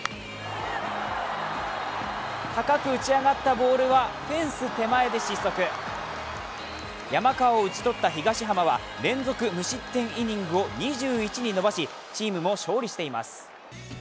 高く打ち上がったボールはフェンス手前で失速山川を打ち取った東浜は連続無失点イニングを２１に伸ばし、チームも勝利しています。